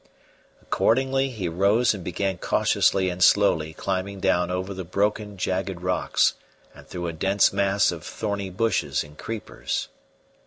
Accordingly he rose and began cautiously and slowly climbing down over the broken jagged rocks and through a dense mass of thorny bushes and creepers.